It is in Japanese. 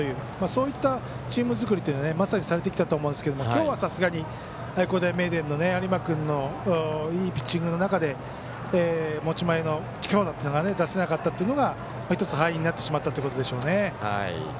そういったチーム作りというのをまさにされていたと思いますが今日は、さすがに愛工大名電の有馬君のいいピッチングの中で持ち前の強打が出せなかったっていうのが１つ敗因になってしまったということでしょうね。